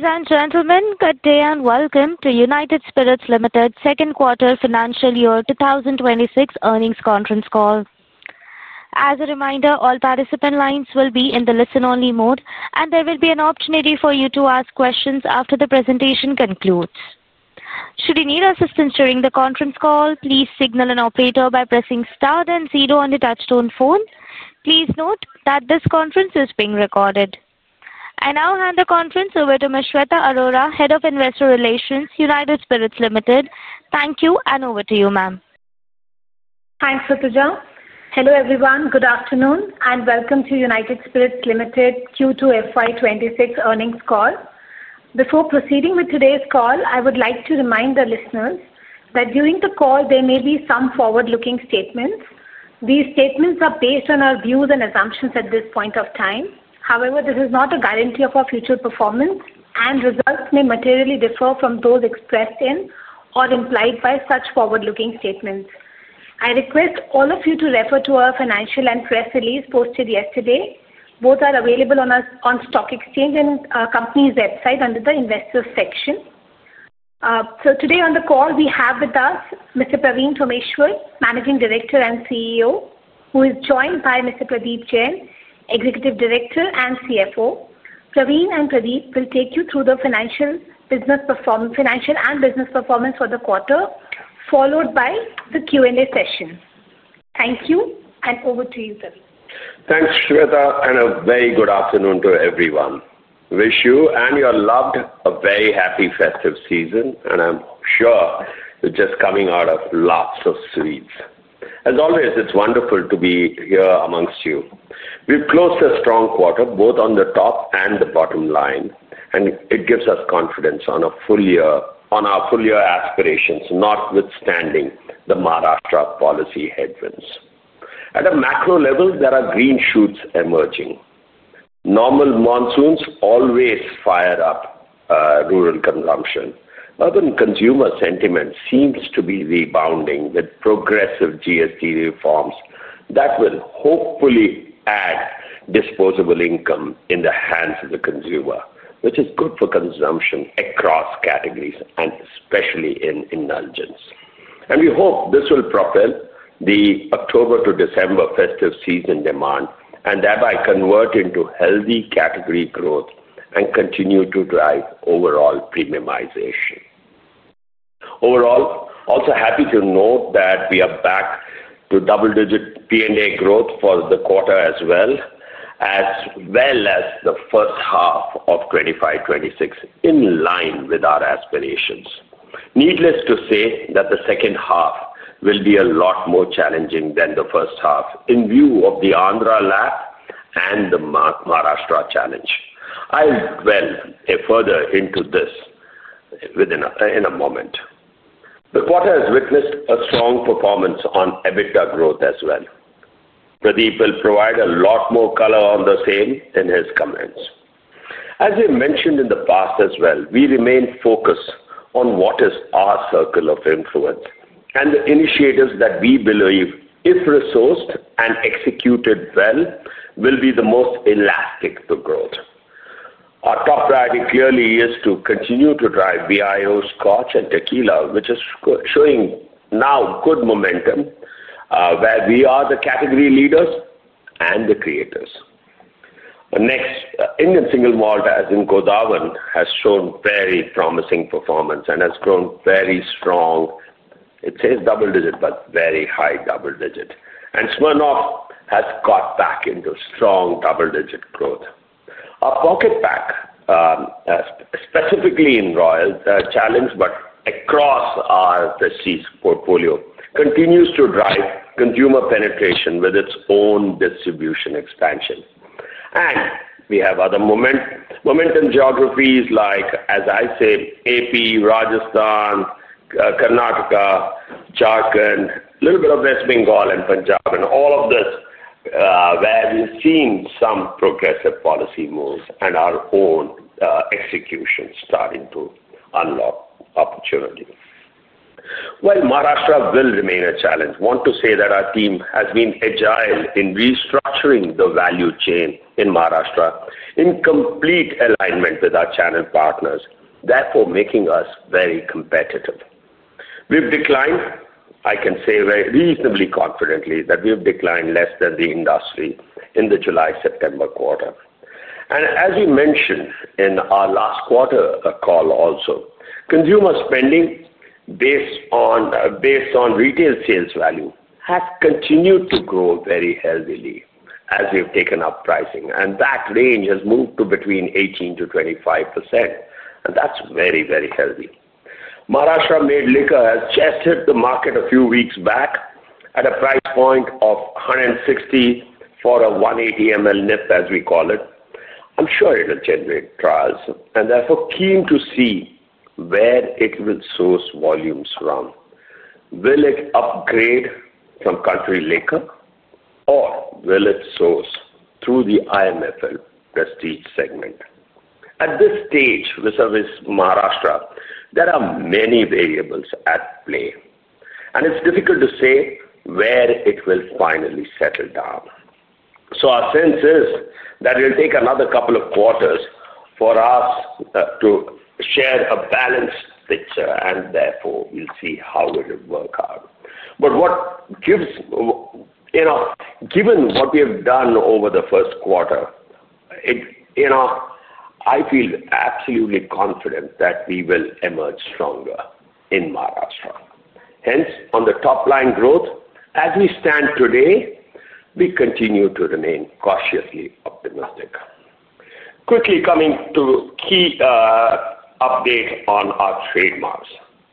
Ladies and gentlemen, good day and welcome to United Spirits Limited's Second Quarter Financial Year 2026 Earnings Conference Call. As a reminder, all participant lines will be in the listen-only mode, and there will be an opportunity for you to ask questions after the presentation concludes. Should you need assistance during the conference call, please signal an operator by pressing star then zero on the touch-tone phone. Please note that this conference is being recorded. I now hand the conference over to Ms. Shweta Arora, Head of Investor Relations, United Spirits Limited. Thank you, and over to you, ma'am. Thanks, Patuja. Hello everyone, good afternoon, and welcome to United Spirits Limited Q2 FY 2026 earnings call. Before proceeding with today's call, I would like to remind the listeners that during the call, there may be some forward-looking statements. These statements are based on our views and assumptions at this point of time. However, this is not a guarantee of our future performance, and results may materially differ from those expressed in or implied by such forward-looking statements. I request all of you to refer to our financial and press release posted yesterday. Both are available on our stock exchange and company's website under the investors section. Today on the call, we have with us Mr. Praveen Tomar, Managing Director and CEO, who is joined by Mr. Pradeep Jain, Executive Director and CFO. Praveen and Pradeep will take you through the financial business performance for the quarter, followed by the Q&A session. Thank you, and over to you, Pradeep. Thanks, Shweta, and a very good afternoon to everyone. Wish you and your loved a very happy festive season, and I'm sure you're just coming out of lots of sweets. As always, it's wonderful to be here amongst you. We've closed a strong quarter, both on the top and the bottom line, and it gives us confidence on our full-year aspirations, notwithstanding the Maharashtra policy headwinds. At a macro level, there are green shoots emerging. Normal monsoons always fire up rural consumption. Urban consumer sentiment seems to be rebounding with progressive GST reforms that will hopefully add disposable income in the hands of the consumer, which is good for consumption across categories, especially in indulgence. We hope this will propel the October to December festive season demand and thereby convert into healthy category growth and continue to drive overall premiumization. Overall, also happy to note that we are back to double-digit P&A growth for the quarter as well as the first half of 2025, 2026 in line with our aspirations. Needless to say that the second half will be a lot more challenging than the first half in view of the Andhra Pradesh lap and the Maharashtra challenge. I'll delve further into this in a moment. The quarter has witnessed a strong performance on EBITDA growth as well. Pradeep will provide a lot more color on the same in his comments. As we mentioned in the past as well, we remain focused on what is our circle of influence and the initiatives that we believe if resourced and executed well will be the most elastic to growth. Our top priority clearly is to continue to drive BIO, Scotch, and tequila, which is showing now good momentum where we are the category leaders and the creators. Next, Indian single malt as in Godawan has shown very promising performance and has grown very strong. It's a double-digit, but very high double-digit. Smirnoff has got back into strong double-digit growth. Our pocket pack, specifically in Royal Challenge, but across our festive portfolio, continues to drive consumer penetration with its own distribution expansion. We have other momentum geographies like, as I say, Andhra Pradesh, Rajasthan, Karnataka, Jharkhand, a little bit of West Bengal, and Punjab. All of this, where we've seen some progressive policy moves and our own execution starting to unlock opportunity. While Maharashtra will remain a challenge, I want to say that our team has been agile in restructuring the value chain in Maharashtra in complete alignment with our channel partners, therefore making us very competitive. We've declined, I can say very reasonably confidently, that we've declined less than the industry in the July, September quarter. As we mentioned in our last quarter call also, consumer spending based on retail sales value has continued to grow very heavily as we've taken up pricing. That range has moved to between 18%-25%, and that's very, very heavy. Maharashtra Made Liquor has just hit the market a few weeks back at a price point of 160 for a 180 ml nip, as we call it. I'm sure it'll generate trials, and therefore keen to see where it will source volumes from. Will it upgrade from country liquor or will it source through the IMFL prestige segment? At this stage with Maharashtra, there are many variables at play, and it's difficult to say where it will finally settle down. Our sense is that it'll take another couple of quarters for us to share a balanced picture, and therefore we'll see how it'll work out. Given what we have done over the first quarter, I feel absolutely confident that we will emerge stronger in Maharashtra. Hence, on the top line growth, as we stand today, we continue to remain cautiously optimistic. Quickly coming to key update on our trademarks.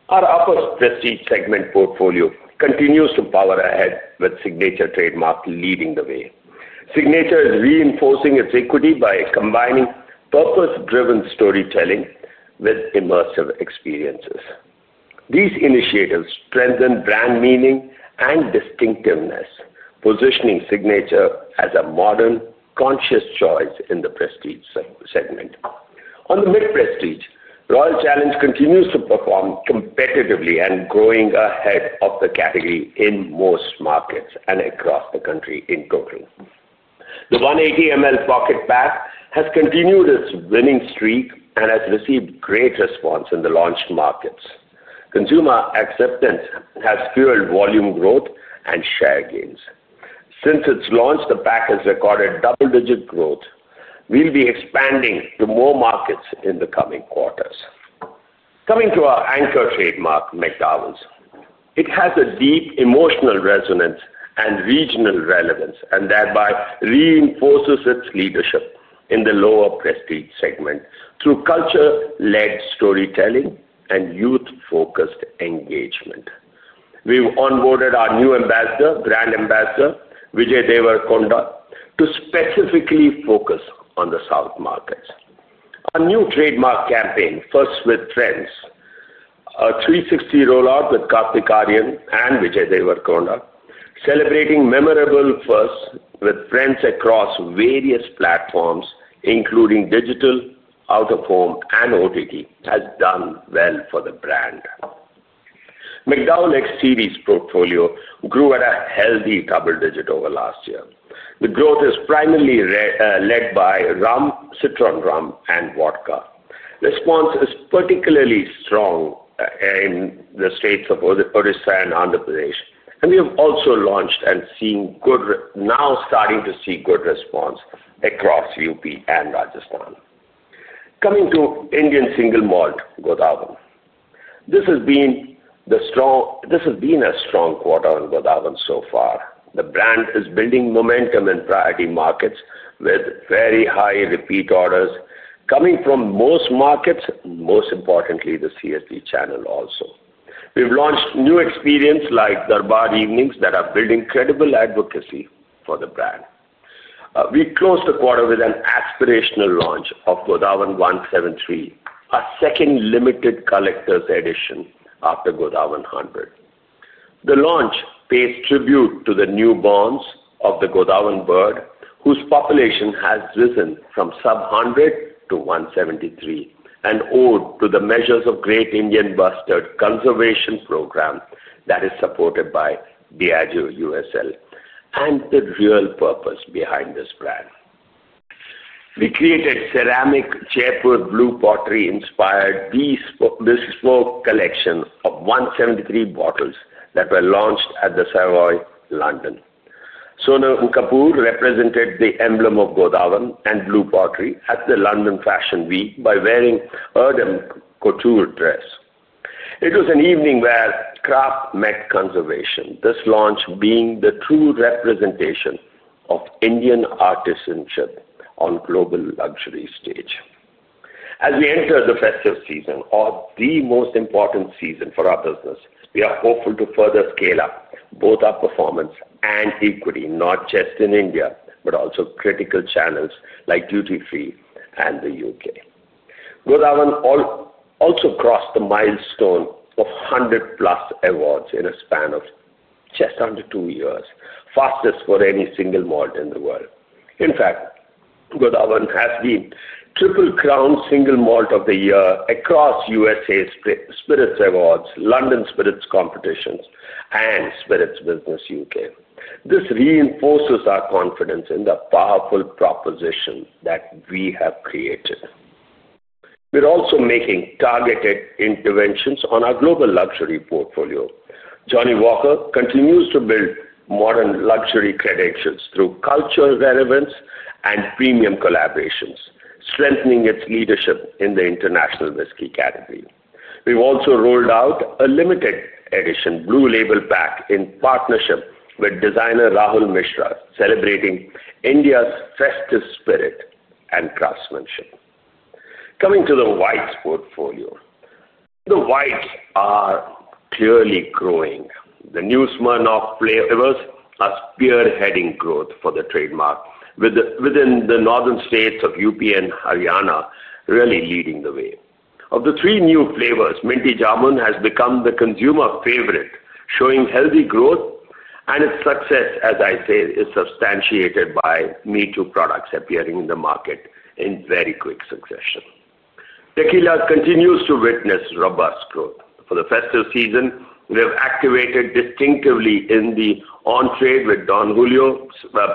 Our upper prestige segment portfolio continues to power ahead with Signature trademark leading the way. Signature is reinforcing its equity by combining purpose-driven storytelling with immersive experiences. These initiatives strengthen brand meaning and distinctiveness, positioning Signature as a modern, conscious choice in the prestige segment. On the mid prestige, Royal Challenge continues to perform competitively and growing ahead of the category in most markets and across the country in total. The 180 ml pocket pack has continued its winning streak and has received great response in the launch markets. Consumer acceptance has fueled volume growth and share gains. Since its launch, the pack has recorded double-digit growth. We'll be expanding to more markets in the coming quarters. Coming to our anchor trademark, McDowell's. It has a deep emotional resonance and regional relevance, and thereby reinforces its leadership in the lower prestige segment through culture-led storytelling and youth-focused engagement. We've onboarded our new brand ambassador, Vijay Deverakonda, to specifically focus on the south markets. Our new trademark campaign, First with Friends, a 360 rollout with Kartik Aaryan and Vijay Deverakonda, celebrating memorable firsts with friends across various platforms, including digital, out of home, and OTT, has done well for the brand. McDowell’s X Series portfolio grew at a healthy double-digit over last year. The growth is primarily led by rum, citron rum, and vodka. Response is particularly strong in the states of Odisha and Andhra Pradesh. We have also launched and are now starting to see good response across Uttar Pradesh and Rajasthan. Coming to Indian single malt Godawan, this has been a strong quarter on Godawan so far. The brand is building momentum in priority markets with very high repeat orders coming from most markets, most importantly, the CSB channel also. We've launched new experiences like Durbar Evenings that are building credible advocacy for the brand. We closed the quarter with an aspirational launch of Godawan 173, a second limited collector’s edition after Godawan 100. The launch pays tribute to the newborns of the Godawan bird, whose population has risen from sub-100 to 173, an ode to the measures of the Great Indian Bustard Conservation Program that is supported by Diageo USL and the real purpose behind this brand. We created a ceramic Jaipur blue pottery-inspired bespoke collection of 173 bottles that were launched at the Savoy London. Sonal Kapoor represented the emblem of Godawan and blue pottery at the London Fashion Week by wearing an Erdem Couture dress. It was an evening where craft met conservation, this launch being the true representation of Indian artisanship on the global luxury stage. As we enter the festive season, or the most important season for our business, we are hopeful to further scale up both our performance and equity, not just in India, but also critical channels like duty-free and the U.K. Godawan also crossed the milestone of 100-plus awards in a span of just under two years, fastest for any single malt in the world. In fact, Godawan has been triple-crowned Single Malt of the Year across U.S.A Spirits Awards, London Spirits Competitions, and Spirits Business U.K. This reinforces our confidence in the powerful proposition that we have created. We're also making targeted interventions on our global luxury portfolio. Johnnie Walker continues to build modern luxury credentials through cultural relevance and premium collaborations, strengthening its leadership in the international whiskey category. We've also rolled out a limited edition Blue Label pack in partnership with designer Rahul Mishra, celebrating India's festive spirit and craftsmanship. Coming to the whites portfolio, the whites are clearly growing. The new Smirnoff flavors are spearheading growth for the trademark, within the northern states of Uttar Pradesh and Haryana really leading the way. Of the three new flavors, Minti Jamun has become the consumer favorite, showing healthy growth. Its success, as I say, is substantiated by Me Too products appearing in the market in very quick succession. Tequila continues to witness robust growth. For the festive season, we have activated distinctively in the on-trade with Don Julio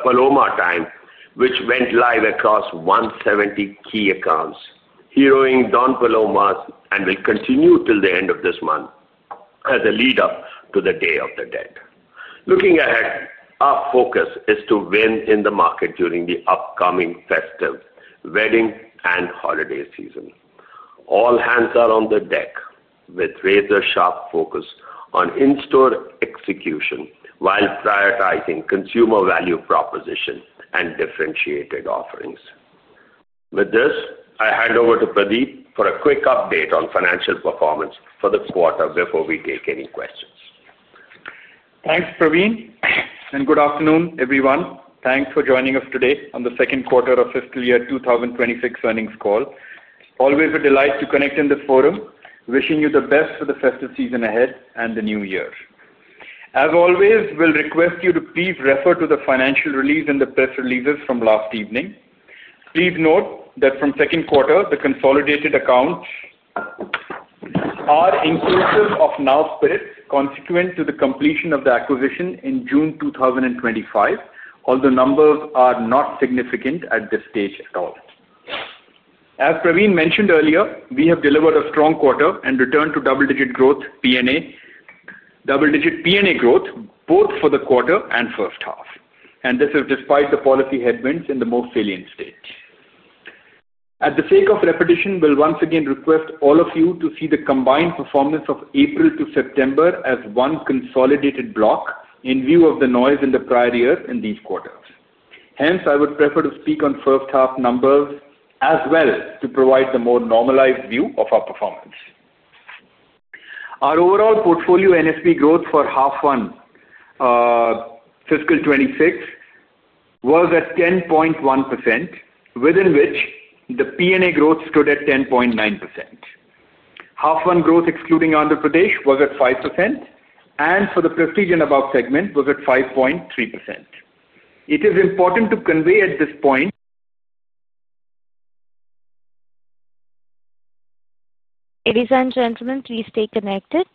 Paloma Time, which went live across 170 key accounts, heroing Don Palomas and will continue till the end of this month as a lead-up to the Day of the Dead. Looking ahead, our focus is to win in the market during the upcoming festive, wedding, and holiday season. All hands are on deck with razor-sharp focus on in-store execution while prioritizing consumer value proposition and differentiated offerings. With this, I hand over to Pradeep for a quick update on financial performance for the quarter before we take any questions. Thanks, Praveen. Good afternoon, everyone. Thanks for joining us today on the second quarter of fiscal year 2026 earnings call. Always a delight to connect in the forum, wishing you the best for the festive season ahead and the new year. As always, we'll request you to please refer to the financial release and the press releases from last evening. Please note that from the second quarter, the consolidated accounts are inclusive of Now Spirits consequent to the completion of the acquisition in June 2025, although numbers are not significant at this stage at all. As Praveen mentioned earlier, we have delivered a strong quarter and returned to double-digit growth, P&A. Double-digit P&A growth, both for the quarter and first half. This is despite the policy headwinds in the most salient states. At the sake of repetition, we'll once again request all of you to see the combined performance of April to September as one consolidated block in view of the noise in the prior year in these quarters. Hence, I would prefer to speak on first half numbers as well to provide the more normalized view of our performance. Our overall portfolio NSP growth for half one, fiscal 2026, was at 10.1%, within which the P&A growth stood at 10.9%. Half one growth excluding Andhra Pradesh was at 5%, and for the Prestige & Above segment, was at 5.3%. It is important to convey at this point. Ladies and gentlemen, please stay connected.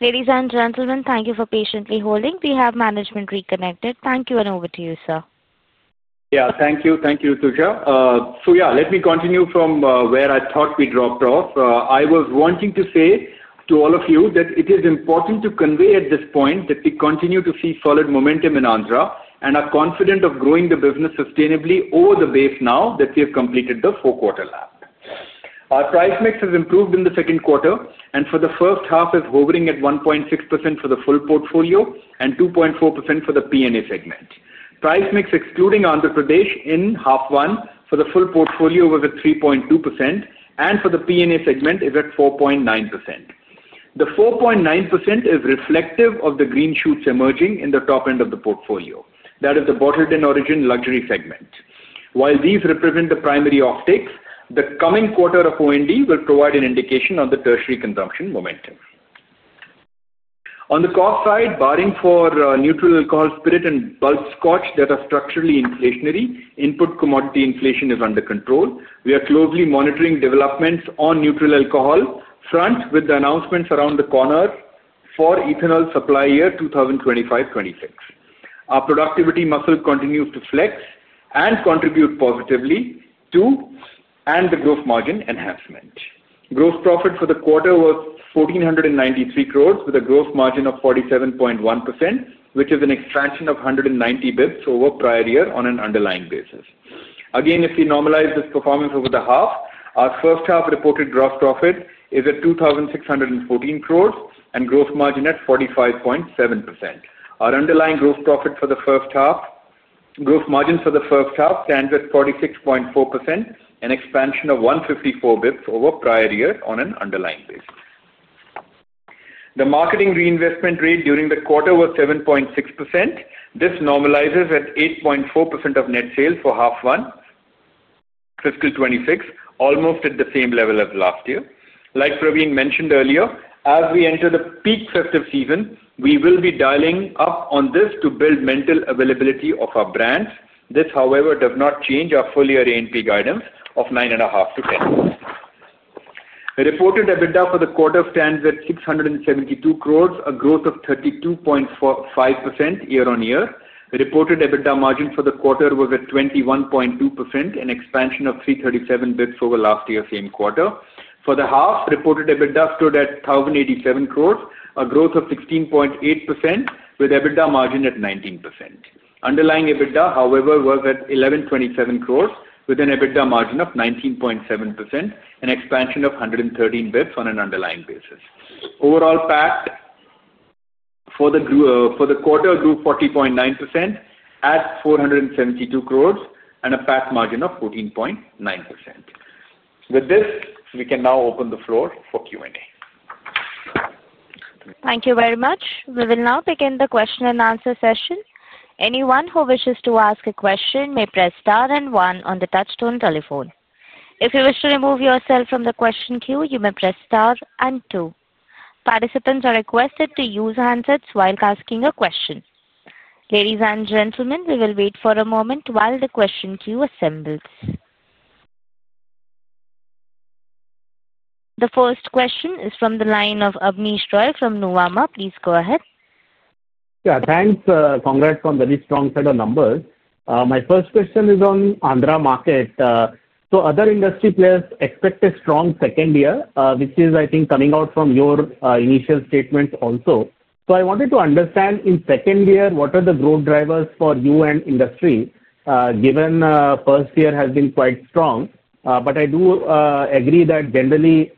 Ladies and gentlemen, thank you for patiently holding. We have management reconnected. Thank you and over to you, sir. Thank you. Thank you, Tuja. Let me continue from where I thought we dropped off. I was wanting to say to all of you that it is important to convey at this point that we continue to see solid momentum in Andhra Pradesh and are confident of growing the business sustainably over the base now that we have completed the four-quarter lap. Our price mix has improved in the second quarter, and for the first half, it's hovering at 1.6% for the full portfolio and 2.4% for the P&A segment. Price mix, excluding Andhra Pradesh, in half one for the full portfolio was at 3.2%, and for the P&A segment, it's at 4.9%. The 4.9% is reflective of the green shoots emerging in the top end of the portfolio, that is the bottled-in-origin luxury segment. While these represent the primary offtakes, the coming quarter of O&D will provide an indication of the tertiary consumption momentum. On the cost side, barring for neutral alcohol spirit and bulk Scotch that are structurally inflationary, input commodity inflation is under control. We are closely monitoring developments on neutral alcohol front with the announcements around the corner for ethanol supply year 2025, 2026. Our productivity muscle continues to flex and contribute positively to the gross margin enhancement. Gross profit for the quarter was 1,493 crore with a gross margin of 47.1%, which is an expansion of 190 bps over prior year on an underlying basis. If we normalize this performance over the half, our first half reported gross profit is at 2,614 crore and gross margin at 45.7%. Our underlying gross profit for the first half, gross margin for the first half, stands at 46.4%, an expansion of 154 bps over prior year on an underlying basis. The marketing reinvestment rate during the quarter was 7.6%. This normalizes at 8.4% of net sales for half one, fiscal 2026, almost at the same level as last year. Like Praveen mentioned earlier, as we enter the peak festive season, we will be dialing up on this to build mental availability of our brands. This, however, does not change our four-year A&P guidance of 9.5%-10%. Reported EBITDA for the quarter stands at 672 crore, a growth of 32.5% year-on-year. Reported EBITDA margin for the quarter was at 21.2%, an expansion of 337 bps over last year's same quarter. For the half, reported EBITDA stood at 1,087 crore, a growth of 16.8%, with EBITDA margin at 19%. Underlying EBITDA, however, was at 1,127 crore, with an EBITDA margin of 19.7%, an expansion of 113 bps on an underlying basis. Overall PAT for the quarter grew 40.9% at 472 crore and a PAT margin of 14.9%. With this, we can now open the floor for Q&A. Thank you very much. We will now begin the question and answer session. Anyone who wishes to ask a question may press star and one on the touchstone telephone. If you wish to remove yourself from the question queue, you may press star and two. Participants are requested to use handsets while asking a question. Ladies and gentlemen, we will wait for a moment while the question queue assembles. The first question is from the line of Abneesh Roy from Nuvama. Please go ahead. Yeah, thanks. Congrats on very strong set of numbers. My first question is on Andhra market. Other industry players expect a strong second year, which is, I think, coming out from your initial statements also. I wanted to understand in second year, what are the growth drivers for UN industry, given first year has been quite strong? I do agree that generally,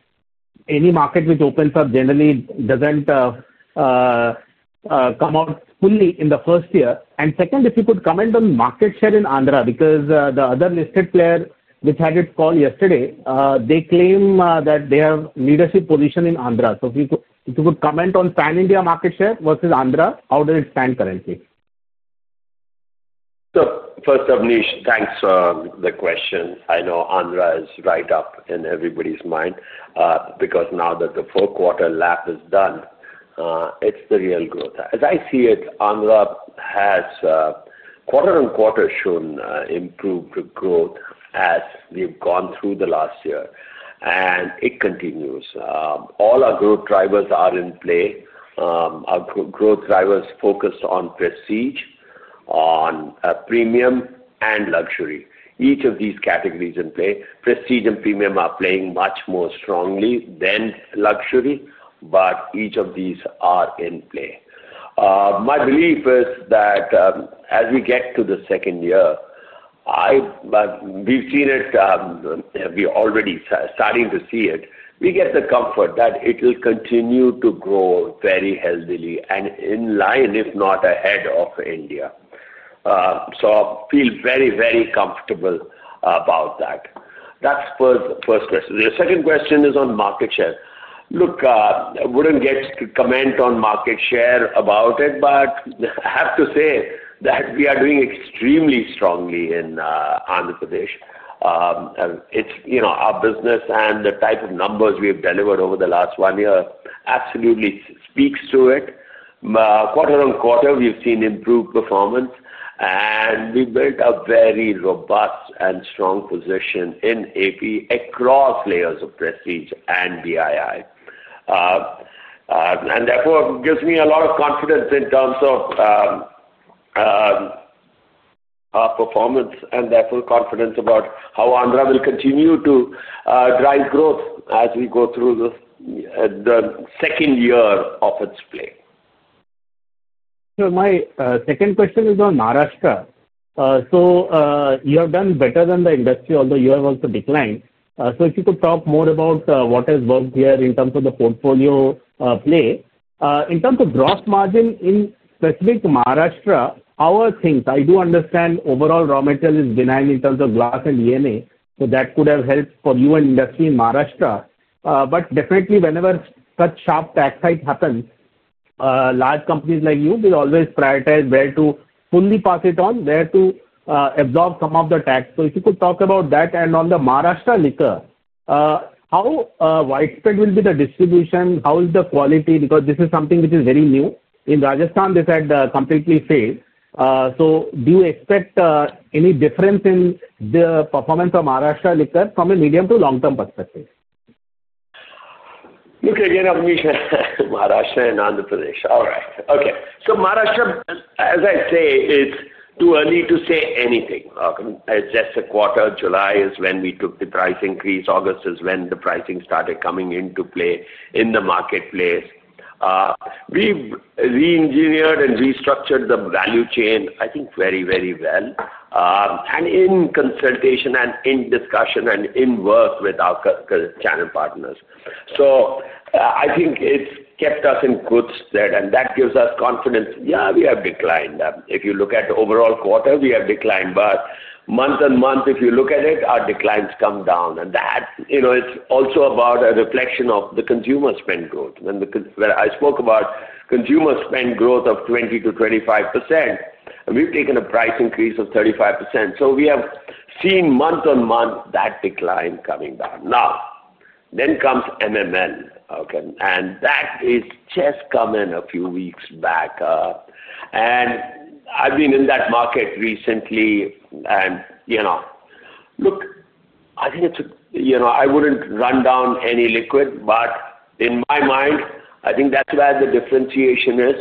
any market which opens up generally doesn't come out fully in the first year. If you could comment on market share in Andhra, because the other listed player which had its call yesterday, they claim that they have a leadership position in Andhra. If you could comment on Pan India market share versus Andhra, how does it stand currently? First, Abneesh, thanks for the question. I know Andhra is right up in everybody's mind because now that the four-quarter lap is done. It's the real growth. As I see it, Andhra has quarter on quarter shown improved growth as we've gone through the last year, and it continues. All our growth drivers are in play. Our growth drivers focused on prestige, on premium, and luxury. Each of these categories in play. Prestige and premium are playing much more strongly than luxury, but each of these are in play. My belief is that. As we get to the second year, we've seen it. We're already starting to see it. We get the comfort that it will continue to grow very healthily and in line, if not ahead, of India. I feel very, very comfortable about that. That's the first question. The second question is on market share. Look, I wouldn't comment on market share about it, but I have to say that we are doing extremely strongly in Andhra Pradesh. Our business and the type of numbers we have delivered over the last one year absolutely speaks to it. Quarter-on-quarter, we've seen improved performance, and we've built a very robust and strong position in Andhra Pradesh across layers of Prestige & Above and BII. It gives me a lot of confidence in terms of our performance and therefore confidence about how Andhra Pradesh will continue to drive growth as we go through the second year of its play. My second question is on Maharashtra. You have done better than the industry, although you have also declined. If you could talk more about what has worked here in terms of the portfolio play. In terms of gross margin in specific Maharashtra, our things, I do understand overall raw material is benign in terms of glass and EMA, so that could have helped for the industry in Maharashtra. Whenever such sharp tax hike happens, large companies like you will always prioritize where to fully pass it on, where to absorb some of the tax. If you could talk about that and on the Maharashtra liquor, how widespread will be the distribution? How is the quality? This is something which is very new. In Rajasthan, this had completely failed. Do you expect any difference in the performance of Maharashtra liquor from a medium to long-term perspective? Look, again, Abneesh, Maharashtra and Andhra Pradesh. All right. Okay. Maharashtra, as I say, do I need to say anything? Just a quarter, July is when we took the price increase. August is when the pricing started coming into play in the marketplace. We've re-engineered and restructured the value chain, I think, very, very well, in consultation and in discussion and in work with our channel partners. I think it's kept us in good stead, and that gives us confidence. Yeah, we have declined. If you look at overall quarter, we have declined. Month and month, if you look at it, our decline's come down. It's also about a reflection of the consumer spend growth. When I spoke about consumer spend growth of 20%-25%, we've taken a price increase of 35%. We have seen month on month that decline coming down. Now, then comes MMN. That has just come in a few weeks back. I have been in that market recently. I think it's a, I wouldn't run down any liquid, but in my mind, I think that's where the differentiation is.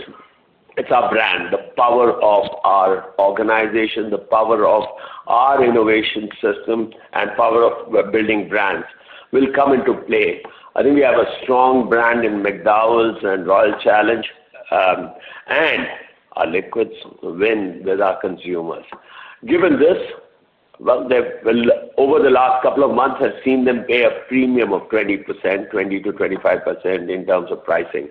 It's our brand, the power of our organization, the power of our innovation system, and the power of building brands will come into play. I think we have a strong brand in McDowell's and Royal Challenge. Our liquids win with our consumers. Given this, over the last couple of months, I've seen them pay a premium of 20%, 20%-25% in terms of pricing.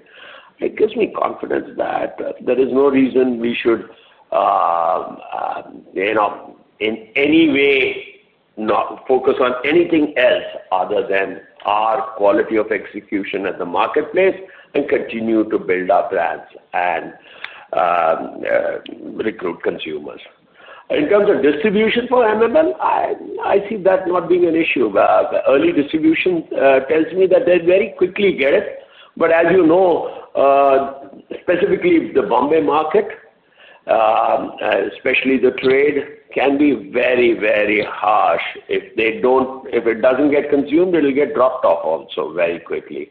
It gives me confidence that there is no reason we should in any way focus on anything else other than our quality of execution at the marketplace and continue to build our brands and recruit consumers. In terms of distribution for MMN, I see that not being an issue. Early distribution tells me that they very quickly get it. As you know, specifically the Bombay market, especially the trade, can be very, very harsh. If it doesn't get consumed, it'll get dropped off also very quickly.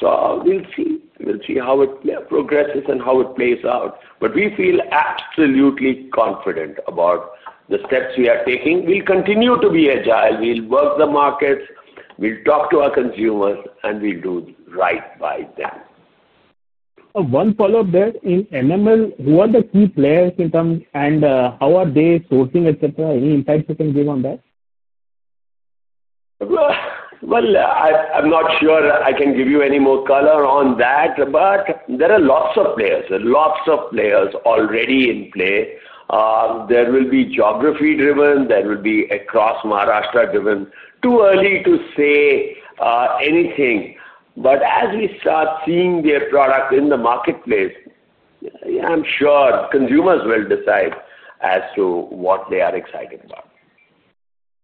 We will see how it progresses and how it plays out. We feel absolutely confident about the steps we are taking. We'll continue to be agile. We'll work the markets. We'll talk to our consumers, and we'll do right by them. One follow-up there. In MMN, who are the key players in terms and how are they sourcing, et cetera? Any insights you can give on that? I'm not sure I can give you any more color on that, but there are lots of players. Lots of players already in play. There will be geography-driven. There will be across Maharashtra-driven. Too early to say anything. As we start seeing their product in the marketplace, I'm sure consumers will decide as to what they are excited about.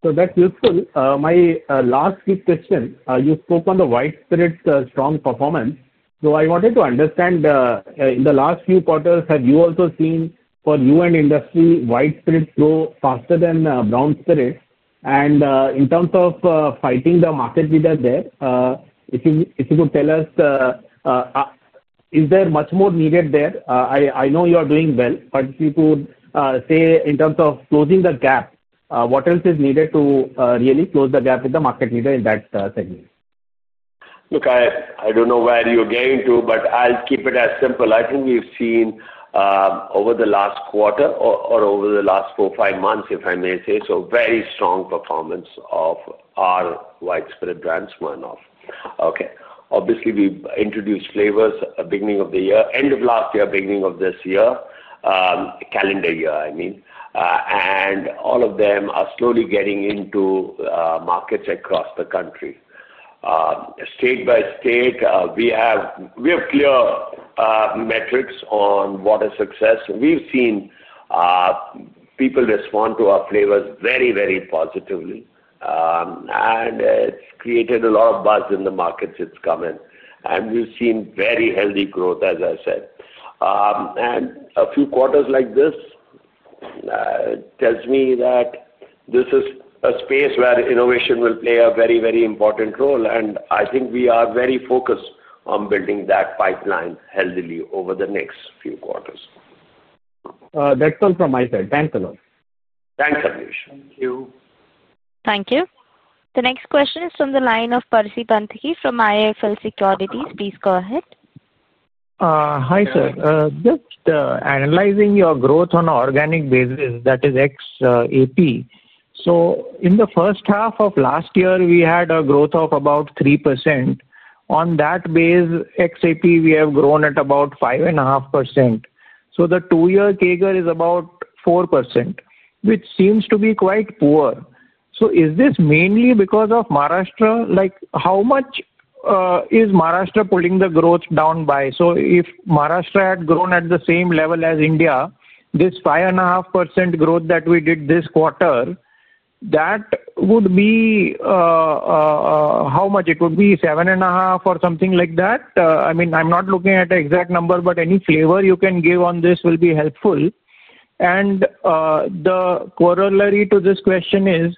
That's useful. My last quick question. You spoke on the white spirit's strong performance. I wanted to understand, in the last few quarters, have you also seen for UN industry white spirit grow faster than brown spirit? In terms of fighting the market leader there, if you could tell us, is there much more needed there? I know you are doing well, but if you could say in terms of closing the gap, what else is needed to really close the gap with the market leader in that segment? Look, I don't know where you're going to, but I'll keep it as simple. I think we've seen over the last quarter or over the last four, five months, if I may say so, very strong performance of our white spirit brands. Obviously, we introduced flavors at the beginning of the year, end of last year, beginning of this year. Calendar year, I mean. All of them are slowly getting into markets across the country. State by state, we have clear metrics on what a success. We've seen people respond to our flavors very, very positively, and it's created a lot of buzz in the markets since come in. We've seen very healthy growth, as I said, and a few quarters like this tells me that this is a space where innovation will play a very, very important role. I think we are very focused on building that pipeline healthily over the next few quarters. That's all from my side. Thanks, a lot. Thanks Abneesh. Thank you. The next question is from the line of Percy Panthaki from IFL Securities. Please go ahead. Hi, sir. Just analyzing your growth on an organic basis, that is ex-AP. In the first half of last year, we had a growth of about 3%. On that base, ex-AP, we have grown at about 5.5%. The two-year CAGR is about 4%, which seems to be quite poor. Is this mainly because of Maharashtra? How much is Maharashtra pulling the growth down by? If Maharashtra had grown at the same level as India, this 5.5% growth that we did this quarter, that would be how much? It would be 7.5% or something like that. I'm not looking at an exact number, but any flavor you can give on this will be helpful. The corollary to this question is,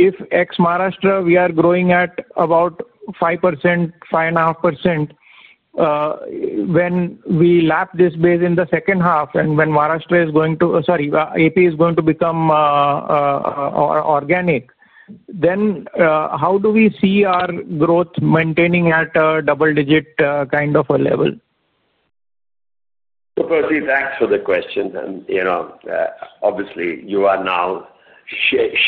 if ex-Maharashtra, we are growing at about 5%, 5.5%. When we lap this base in the second half, and when Maharashtra is going to, sorry, Andhra Pradesh is going to become organic, then how do we see our growth maintaining at a double-digit kind of a level? Percy, thanks for the question. Obviously, you are now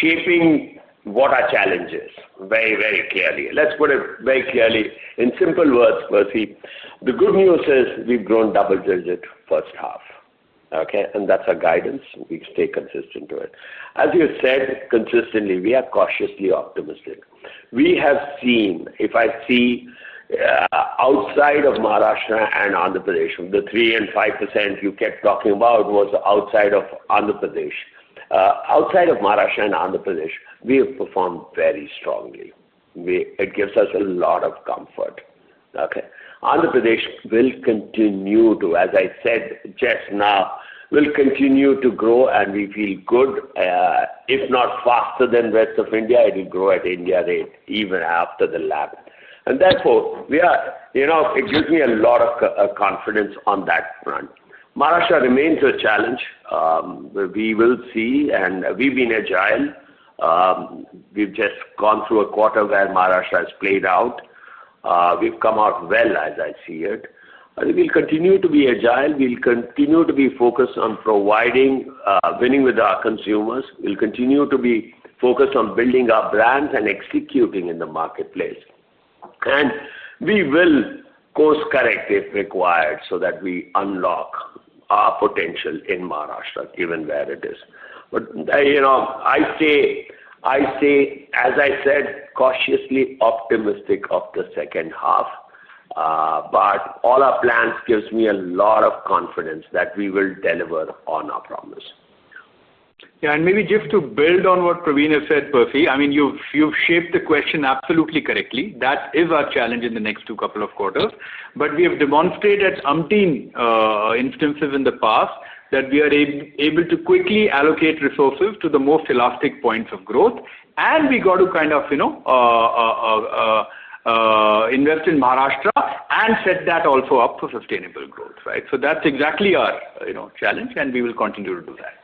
shaping what our challenge is very, very clearly. Let's put it very clearly in simple words, Percy. The good news is we've grown double-digit first half. That's our guidance. We stay consistent to it. As you said, consistently, we are cautiously optimistic. We have seen, if I see outside of Maharashtra and Andhra Pradesh, the 3% and 5% you kept talking about was outside of Andhra Pradesh. Outside of Maharashtra and Andhra Pradesh, we have performed very strongly. It gives us a lot of comfort. Andhra Pradesh will continue to, as I said just now, will continue to grow, and we feel good. If not faster than West of India, it will grow at India rate even after the lap. It gives me a lot of confidence on that front. Maharashtra remains a challenge. We will see. We've been agile. We've just gone through a quarter where Maharashtra has played out. We've come out well, as I see it. We'll continue to be agile. We'll continue to be focused on providing, winning with our consumers. We'll continue to be focused on building our brands and executing in the marketplace. We will course correct if required so that we unlock our potential in Maharashtra, given where it is. I stay, as I said, cautiously optimistic of the second half. All our plans give me a lot of confidence that we will deliver on our promise. Maybe just to build on what Praveen has said, Percy, I mean, you've shaped the question absolutely correctly. That is our challenge in the next two couple of quarters. We have demonstrated at umpteen instances in the past that we are able to quickly allocate resources to the most elastic points of growth. We got to kind of invest in Maharashtra and set that also up for sustainable growth, right? That's exactly our challenge, and we will continue to do that.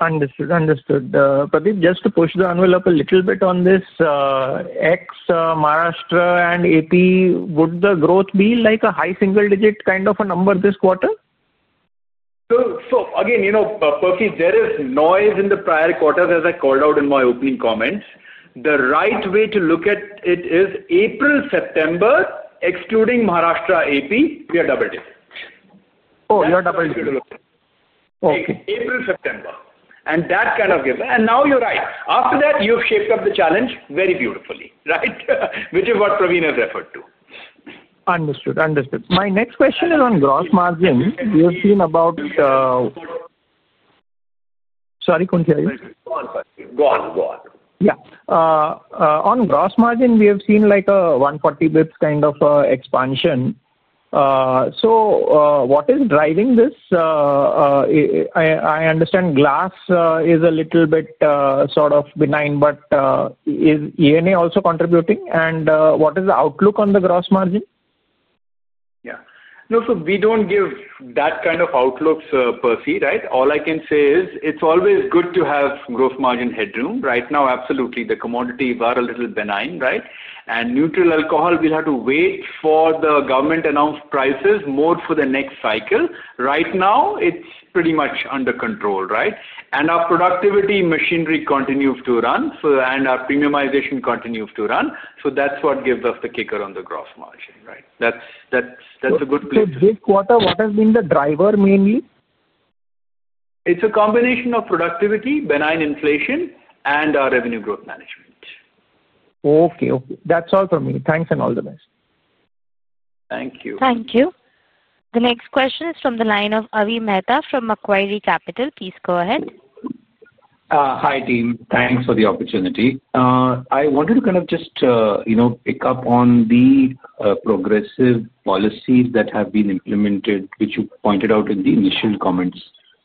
Understood. Understood. Pradeep, just to push the envelope a little bit on this. Ex Maharashtra and Andhra Pradesh, would the growth be like a high single-digit kind of a number this quarter? Again, Percy, there is noise in the prior quarters, as I called out in my opening comments. The right way to look at it is April, September. Excluding Maharashtra, Andhra Pradesh, we are double-digit. Oh, you are double-digit. April, September. That kind of gives. Now you're right. After that, you've shaped up the challenge very beautifully, right? Which is what Praveen has referred to. Understood. Understood. My next question is on gross margin. We have seen about. Sorry, couldn't hear you. Go on, Percy. Go on. Go on. On gross margin, we have seen like a 140 bps kind of expansion. What is driving this? I understand glass is a little bit sort of benign, but is EMA also contributing? What is the outlook on the gross margin? No, so we don't give that kind of outlook, Percy, right? All I can say is it's always good to have gross margin headroom. Right now, absolutely, the commodities are a little benign, right? Neutral alcohol, we'll have to wait for the government-announced prices more for the next cycle. Right now, it's pretty much under control, right? Our productivity machinery continues to run. Our premiumization continues to run. That gives us the kicker on the gross margin, right? That's a good place. This quarter, what has been the driver mainly? It's a combination of productivity, benign inflation, and our revenue growth management. That's all from me. Thanks and all the best. Thank you. Thank you. The next question is from the line of Avi Mehta from Macquarie Capital. Please go ahead. Hi, team. Thanks for the opportunity. I wanted to kind of just pick up on the progressive policies that have been implemented, which you pointed out in the initial comments.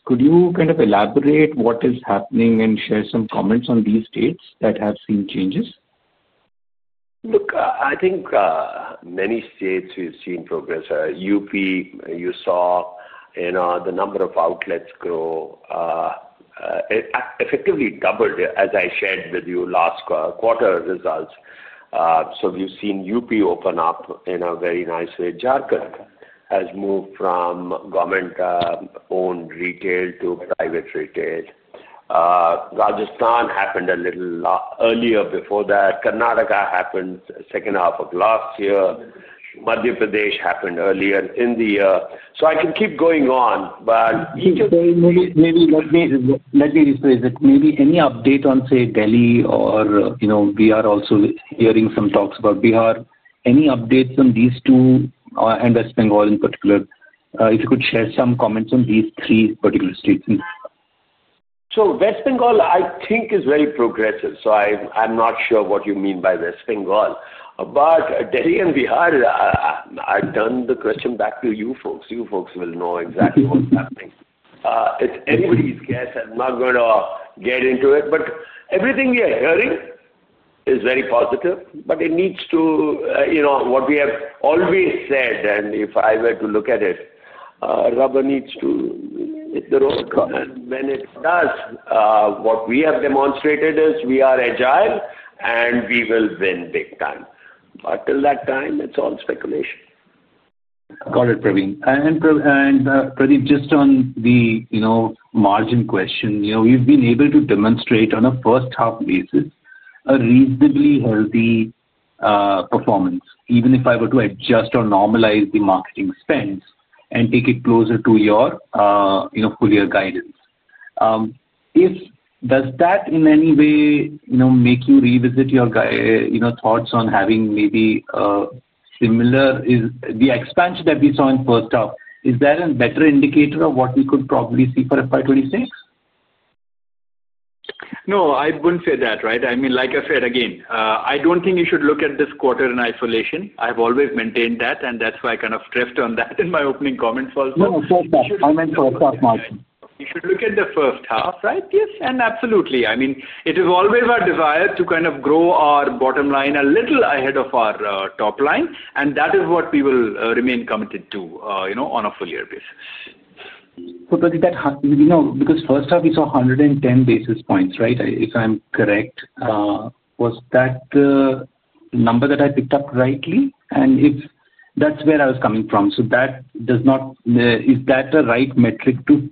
Could you elaborate what is happening and share some comments on these states that have seen changes? I think many states we've seen progress. Uttar Pradesh, you saw the number of outlets grow. Effectively doubled, as I shared with you last quarter results. We've seen Uttar Pradesh open up in a very nice way. Jharkhand has moved from government-owned retail to private retail. Rajasthan happened a little earlier before that. Karnataka happened the second half of last year. Madhya Pradesh happened earlier in the year. I can keep going on, but each of them. Maybe let me rephrase it. Maybe any update on, say, Delhi or we are also hearing some talks about Bihar. Any updates on these two, and West Bengal in particular? If you could share some comments on these three particular states. West Bengal, I think, is very progressive. I'm not sure what you mean by West Bengal. Delhi and Bihar. I turn the question back to you folks. You folks will know exactly what's happening. It's anybody's guess. I'm not going to get into it. Everything we are hearing is very positive. It needs to. What we have always said, and if I were to look at it. Rubber needs to hit the road. When it does, what we have demonstrated is we are agile, and we will win big time. Till that time, it's all speculation. Got it, Praveen. Pradeep, just on the margin question, we've been able to demonstrate on a first-half basis a reasonably healthy performance, even if I were to adjust or normalize the marketing spends and take it closer to your fuller guidance. Does that in any way make you revisit your thoughts on having maybe similar? The expansion that we saw in first half, is that a better indicator of what we could probably see for FY 2026? No, I wouldn't say that, right? I mean, like I said, again, I don't think you should look at this quarter in isolation. I've always maintained that, and that's why I kind of drift on that in my opening comments also. No, first half. I meant first half margin. You should look at the first half, right? Yes. Absolutely. I mean, it is always our desire to kind of grow our bottom line a little ahead of our top line. That is what we will remain committed to on a fuller basis. So Pradeep, because first half, we saw 110 basis points, right? If I'm correct. Was that the number that I picked up rightly? That's where I was coming from. That does not. Is that a right metric to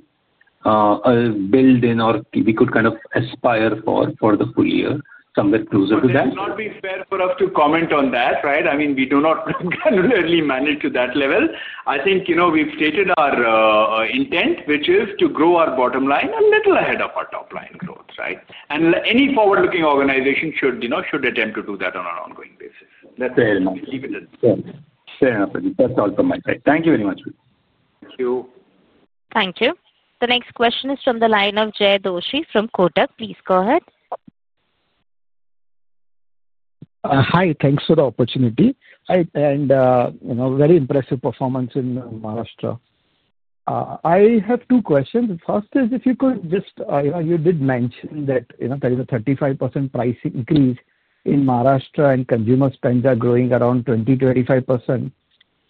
build in or we could kind of aspire for the full year, somewhere closer to that? It would not be fair for us to comment on that, right? I mean, we do not granularly manage to that level. I think we've stated our intent, which is to grow our bottom line a little ahead of our top line growth, right? Any forward-looking organization should attempt to do that on an ongoing basis. That's very much true. Share it. That's all from my side. Thank you very much. Thank you. Thank you. The next question is from the line of Jay Doshi from Kotak. Please go ahead. Hi. Thanks for the opportunity. Very impressive performance in Maharashtra. I have two questions. The first is, if you could just, you did mention that there is a 35% price increase in Maharashtra, and consumer spends are growing around 20%-25%.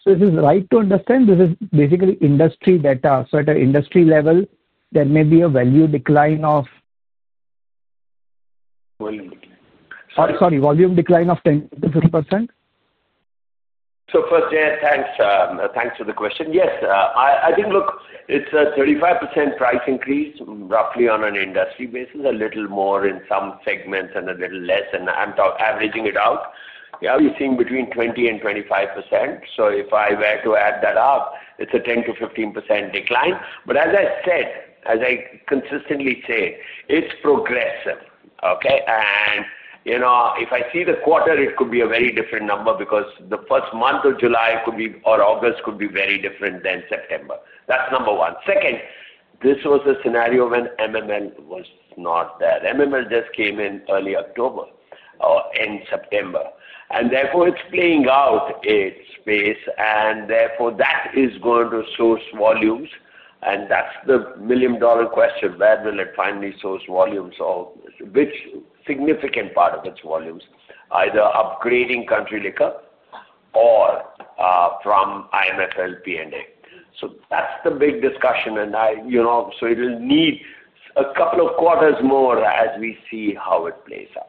Is this right to understand? This is basically industry data, so at an industry level, there may be a value decline of. Volume decline. Sorry, volume decline of 10%-15%? First, Jay, thanks for the question. Yes. I think, look, it's a 35% price increase, roughly on an industry basis, a little more in some segments and a little less. I'm averaging it out. We're seeing between 20% and 25%. If I were to add that up, it's a 10%-15% decline. As I said, as I consistently say, it's progressive. If I see the quarter, it could be a very different number because the first month of July could be or August could be very different than September. That's number one. Second, this was a scenario when MML was not there. MML just came in early October. End September. Therefore, it's playing out its pace. Therefore, that is going to source volumes. That's the million-dollar question. Where will it finally source volumes, of which significant part of its volumes, either upgrading country liquor or from IMFL P&A? That's the big discussion. It will need a couple of quarters more as we see how it plays out.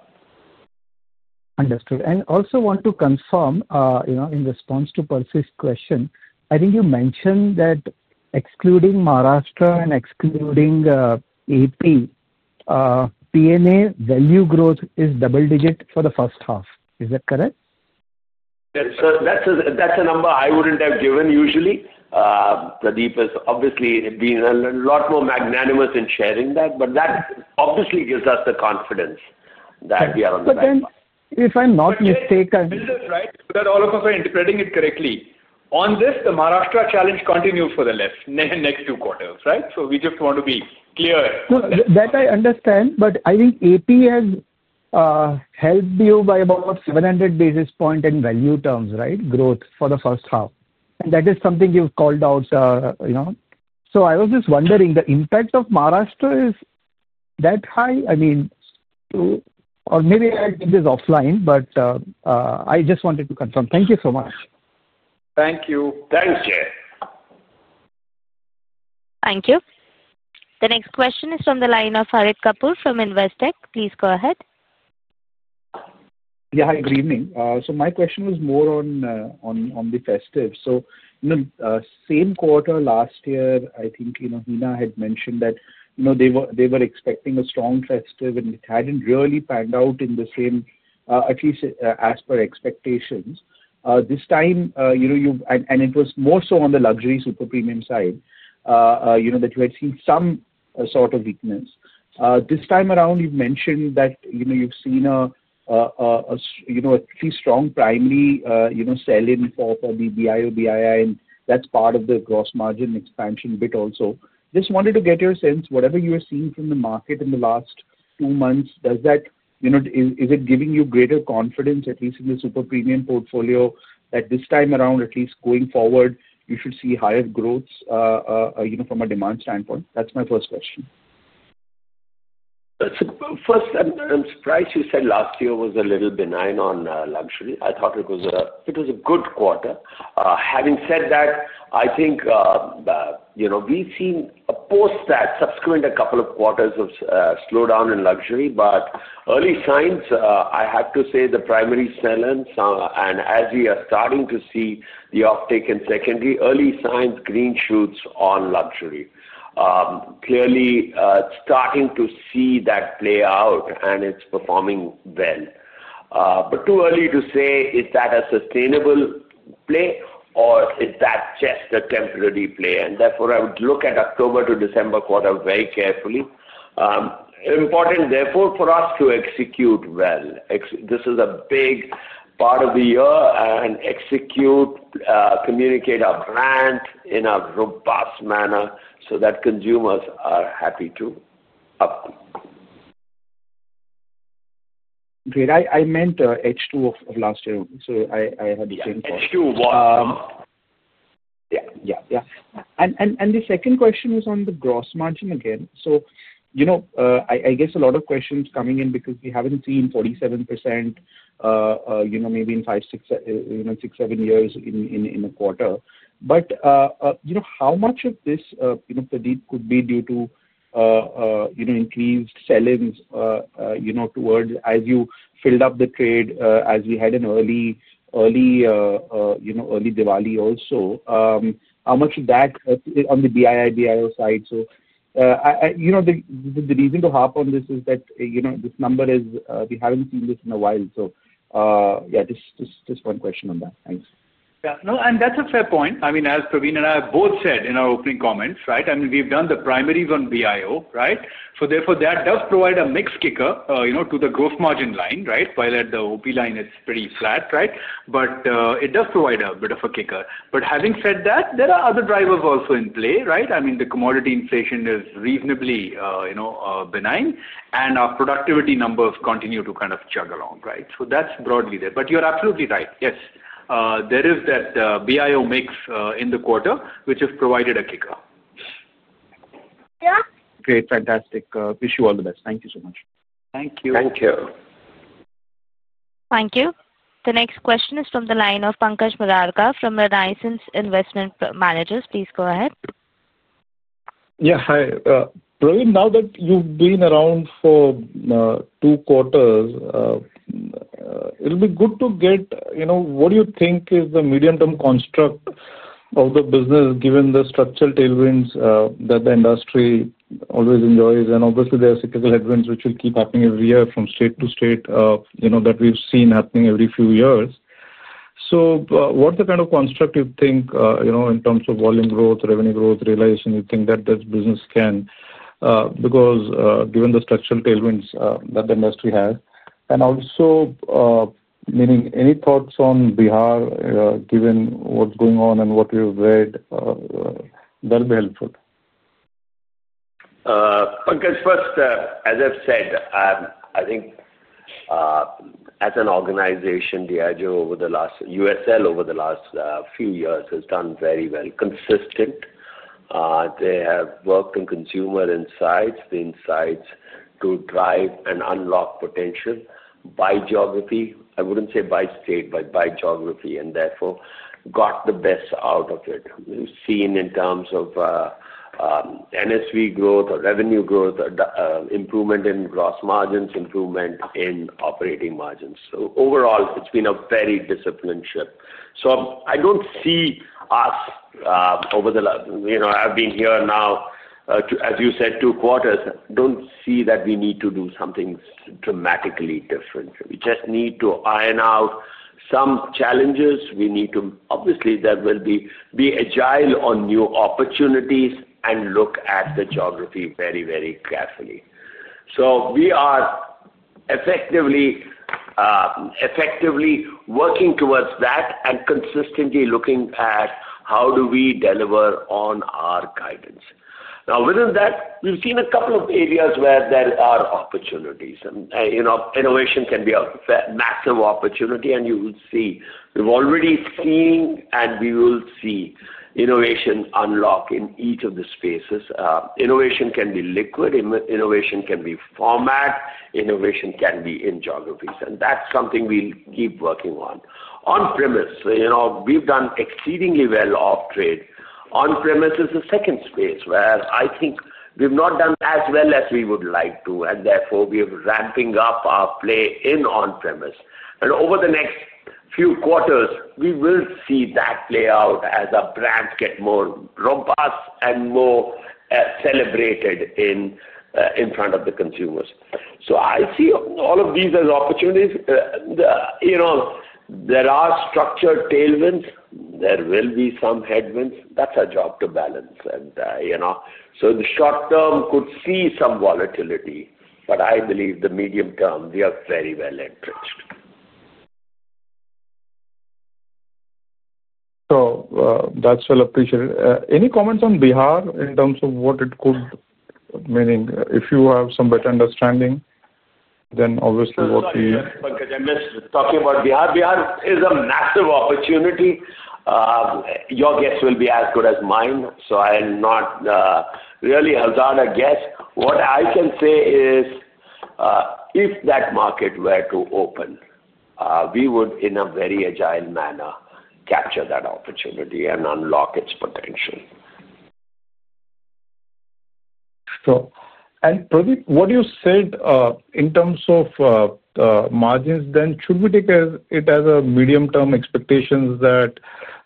Understood. I also want to confirm, in response to Percy's question, I think you mentioned that excluding Maharashtra and excluding Andhra Pradesh, P&A value growth is double-digit for the first half. Is that correct? That's a number I wouldn't have given usually. Pradeep has obviously been a lot more magnanimous in sharing that. That obviously gives us the confidence that we are on that. If I'm not mistaken, right, That all of us are interpreting it correctly. On this, the Maharashtra challenge continues for the next two quarters, right? We just want to be clear. No, I understand. I think Andhra Pradesh has helped you by about 700 basis points in value terms, right, growth for the first half. That is something you've called out. I was just wondering, the impact of Maharashtra is that high? I mean, or maybe I did this offline, but I just wanted to confirm. Thank you so much. Thank you. Thanks, Jay. Thank you. The next question is from the line of Harit Kapoor from Investec. Please go ahead. Yeah. Hi, good evening. My question was more on the festives. Same quarter last year, I think Hina had mentioned that they were expecting a strong festive, and it hadn't really panned out in the same, at least as per expectations. This time, it was more so on the luxury super premium side that you had seen some sort of weakness. This time around, you've mentioned that you've seen a pretty strong primary sell-in for the BIO, BII, and that's part of the gross margin expansion bit also. Just wanted to get your sense, whatever you have seen from the market in the last two months, is it giving you greater confidence, at least in the super premium portfolio, that this time around, at least going forward, you should see higher growth from a demand standpoint? That's my first question. First, I'm surprised you said last year was a little benign on luxury. I thought it was a good quarter. Having said that, I think we've seen a post that subsequent a couple of quarters of slowdown in luxury. Early signs, I have to say, the primary sell-ins. As we are starting to see the uptake in secondary, early signs, green shoots on luxury. Clearly, starting to see that play out, and it's performing well. Too early to say, is that a sustainable play or is that just a temporary play. I would look at October to December quarter very carefully. Important, therefore, for us to execute well. This is a big part of the year, and execute. Communicate our brand in a robust manner so that consumers are happy to upgrade. I meant H2 of last year. I had the same question. H2 of last year. The second question is on the gross margin again. I guess a lot of questions coming in because we haven't seen 47% maybe in five, six, seven years in a quarter. How much of this, Pradeep, could be due to increased sell-ins towards as you filled up the trade as we had an early Diwali also? How much of that on the BIO side? The reason to harp on this is that this number is we haven't seen this in a while. Just one question on that. Thanks. No, and that's a fair point. As Praveen and I have both said in our opening comments, we've done the primaries on BIO, right? Therefore, that does provide a mix kicker to the gross margin line, right? While at the OP line, it's pretty flat, but it does provide a bit of a kicker. Having said that, there are other drivers also in play. The commodity inflation is reasonably benign. Our productivity numbers continue to kind of chug along, so that's broadly there. You're absolutely right. There is that BIO mix in the quarter, which has provided a kicker. Great. Fantastic. Wish you all the best. Thank you so much. Thank you. Thank you. Thank you. The next question is from the line of Pankaj Murarka from Ryerson Investment Managers. Please go ahead. Hi. Praveen, now that you've been around for two quarters, it'll be good to get what do you think is the medium-term construct of the business, given the structural tailwinds that the industry always enjoys? Obviously, there are cyclical headwinds, which will keep happening every year from state to state that we've seen happening every few years. What's the kind of construct you think in terms of volume growth, revenue growth, realization you think that this business can? Because given the structural tailwinds that the industry has. Also. Meaning any thoughts on Bihar, given what's going on and what we've read. That'll be helpful. Pankaj, first, as I've said, I think as an organization, Diageo over the last USL over the last few years has done very well. Consistent. They have worked on consumer insights, the insights to drive and unlock potential by geography. I wouldn't say by state, but by geography, and therefore got the best out of it. We've seen in terms of NSV growth or revenue growth, improvement in gross margins, improvement in operating margins. Overall, it's been a very disciplined shift. I don't see us over the I've been here now, as you said, two quarters, don't see that we need to do something dramatically different. We just need to iron out some challenges. We need to, obviously, be agile on new opportunities and look at the geography very, very carefully. We are effectively working towards that and consistently looking at how do we deliver on our guidance. Now, within that, we've seen a couple of areas where there are opportunities, and innovation can be a massive opportunity, and you will see. We've already seen, and we will see innovation unlock in each of the spaces. Innovation can be liquid. Innovation can be format. Innovation can be in geographies, and that's something we'll keep working on. On-premise, we've done exceedingly well off-trade. On-premise is the second space where I think we've not done as well as we would like to, and therefore, we are ramping up our play in on-premise. Over the next few quarters, we will see that play out as our brands get more robust and more celebrated in front of the consumers. I see all of these as opportunities. There are structured tailwinds. There will be some headwinds. That's our job to balance. The short term could see some volatility. I believe the medium term, we are very well entrenched. That's well appreciated. Any comments on Bihar in terms of what it could mean? If you have some better understanding than obviously what we. Pankaj, I'm just talking about Bihar. Bihar is a massive opportunity. Your guess will be as good as mine. I'm not really hazard a guess. What I can say is if that market were to open, we would, in a very agile manner, capture that opportunity and unlock its potential. So, and Praveen, what you said in terms of margins then, should we take it as a medium-term expectation that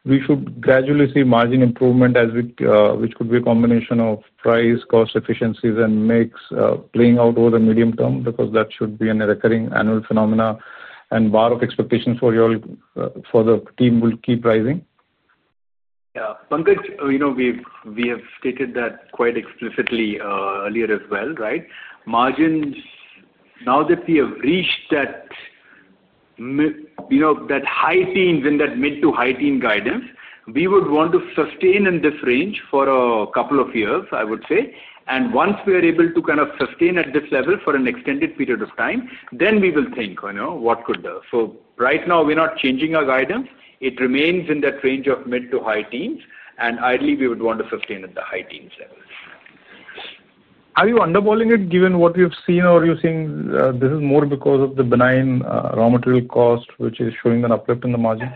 we should gradually see margin improvement, which could be a combination of price, cost efficiencies, and mix playing out over the medium term? That should be a recurring annual phenomenon. The bar of expectation for the team will keep rising? Yeah. Pankaj, we have stated that quite explicitly earlier as well, right? Margins, now that we have reached that high teens in that mid to high teen guidance, we would want to sustain in this range for a couple of years, I would say. Once we are able to kind of sustain at this level for an extended period of time, we will think, what could the, right now, we're not changing our guidance. It remains in that range of mid to high teens. Ideally, we would want to sustain at the high teens level. Are you undervaluing it given what we've seen? Or are you seeing this is more because of the benign raw material cost, which is showing an uplift in the margin?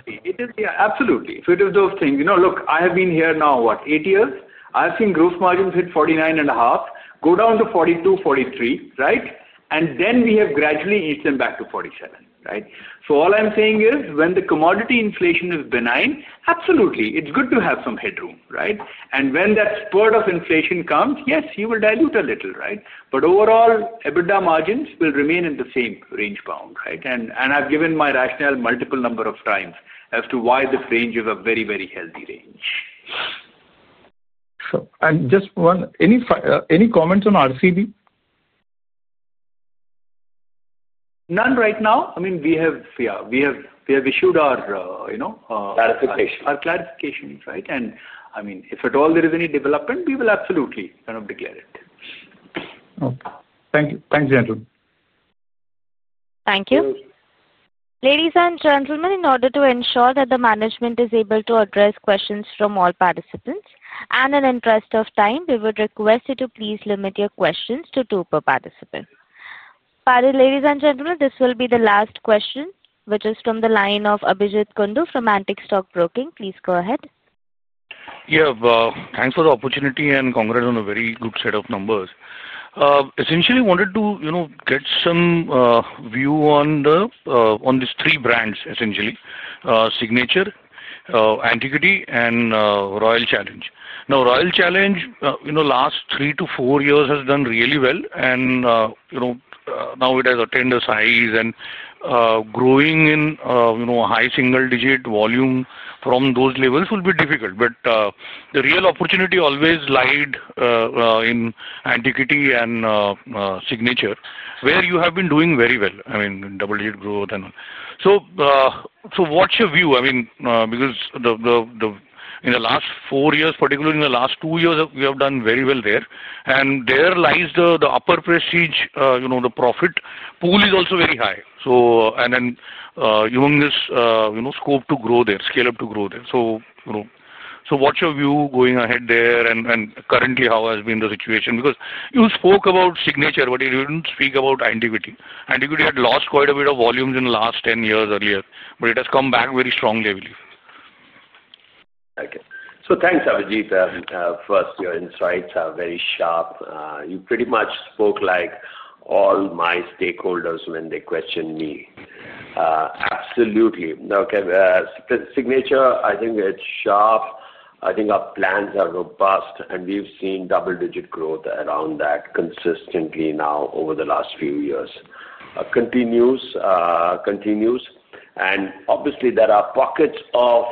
Absolutely. If it is those things, look, I have been here now, what, eight years? I have seen gross margins hit 49.5, go down to 42, 43, right? Then we have gradually eased them back to 47, right? All I'm saying is, when the commodity inflation is benign, absolutely, it's good to have some headroom, right? When that spurt of inflation comes, yes, you will dilute a little, right? Overall, EBITDA margins will remain in the same range bound, right? I have given my rationale multiple number of times as to why this range is a very, very healthy range. Just one, any comments on RCB? None right now. We have issued our clarification. Our clarifications, right? If at all there is any development, we will absolutely kind of declare it. Okay. Thank you. Thanks, gentlemen. Thank you. Ladies and gentlemen, in order to ensure that the management is able to address questions from all participants and in the interest of time, we would request you to please limit your questions to two per participant. Ladies and gentlemen, this will be the last question, which is from the line of Abhijit Kondu from Antic Stock Broking. Please go ahead. Yeah. Thanks for the opportunity and congrats on a very good set of numbers. Essentially, I wanted to get some view on these three brands, essentially: Signature, Antiquity, and Royal Challenge. Now, Royal Challenge, last three to four years, has done really well. Now it has attended size and growing in. High single-digit volume from those levels will be difficult. The real opportunity always lied in Antiquity and Signature, where you have been doing very well. I mean, double-digit growth and all. What's your view? I mean, because in the last four years, particularly in the last two years, we have done very well there. There lies the upper prestige. The profit pool is also very high. You want this scope to grow there, scale up to grow there. What's your view going ahead there? Currently, how has been the situation? You spoke about Signature, but you didn't speak about Antiquity. Antiquity had lost quite a bit of volumes in the last 10 years earlier, but it has come back very strongly, I believe. Okay. Thanks, Abhijit. First, your insights are very sharp. You pretty much spoke like all my stakeholders when they questioned me. Absolutely. Signature, I think it's sharp. I think our plans are robust. We've seen double-digit growth around that consistently now over the last few years. Continues. Obviously, there are pockets of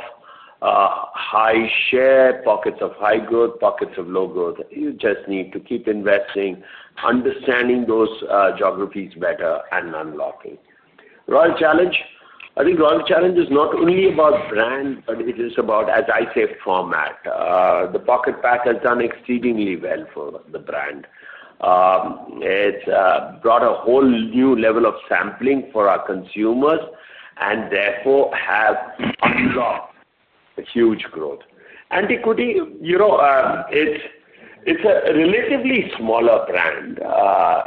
high share, pockets of high growth, pockets of low growth. You just need to keep investing, understanding those geographies better, and unlocking. Royal Challenge, I think Royal Challenge is not only about brand, but it is about, as I say, format. The pocket pack has done exceedingly well for the brand. It's brought a whole new level of sampling for our consumers and therefore has unlocked huge growth. Antiquity, it's a relatively smaller brand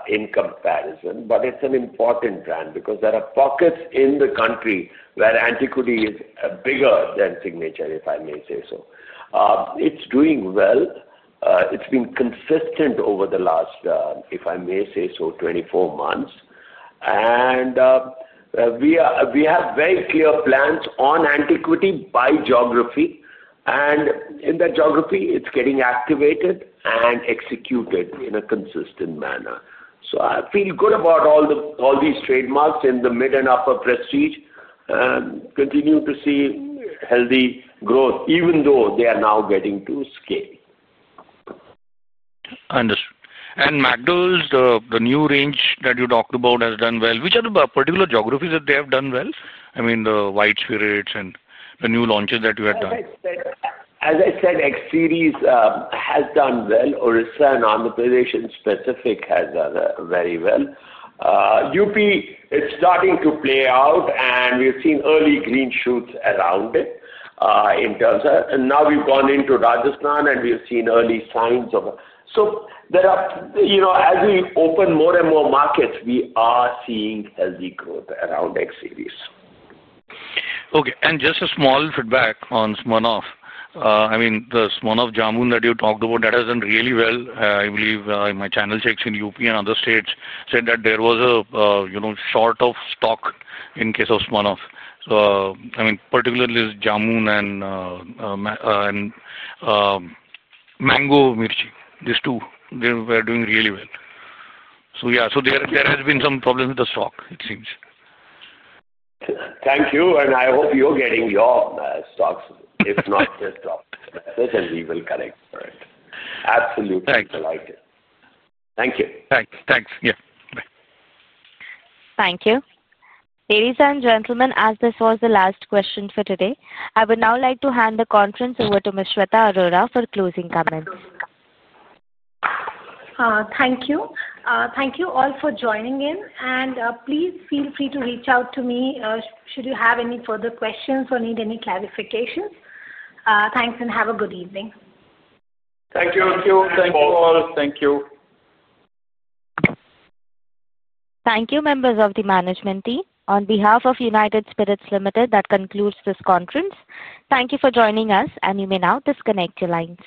in comparison, but it's an important brand because there are pockets in the country where Antiquity is bigger than Signature, if I may say so. It's doing well. It's been consistent over the last, if I may say so, 24 months. We have very clear plans on Antiquity by geography. In that geography, it's getting activated and executed in a consistent manner. I feel good about all these trademarks in the mid and upper prestige. Continue to see healthy growth, even though they are now getting to scale. Understood. McDowell's, the new range that you talked about, has done well. Which are the particular geographies that they have done well? I mean, the White Spirits and the new launches that you had done. As I said, X Series has done well. Orissa and Amatadation specific has done very well. UP, it's starting to play out, and we've seen early green shoots around it. In terms of, now we've gone into Rajasthan, and we've seen early signs of, as we open more and more markets, we are seeing healthy growth around X Series. Okay. Just a small feedback on Smirnoff. I mean, the Smirnoff Jamun that you talked about, that has done really well. I believe my channel checks in Uttar Pradesh and other states said that there was a short of stock in case of Smirnoff. I mean, particularly Jamun and Mango Mirchi, these two, they were doing really well. There has been some problems with the stock, it seems. Thank you. I hope you're getting your stocks, if not the stock, and we will collect for it. Absolutely delighted. Thank you. Thanks. Thanks. Yeah. Bye. Thank you. Ladies and gentlemen, as this was the last question for today, I would now like to hand the conference over to Ms. Shweta Arora for closing comments. Thank you. Thank you all for joining in. Please feel free to reach out to me should you have any further questions or need any clarifications. Thanks, and have a good evening. Thank you. Thank you. Thank you all. Thank you. Thank you, members of the management team. On behalf of United Spirits Limited, that concludes this conference. Thank you for joining us, and you may now disconnect your lines.